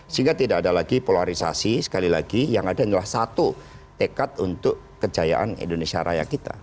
sehingga tidak ada lagi polarisasi sekali lagi yang ada adalah satu tekad untuk kejayaan indonesia raya kita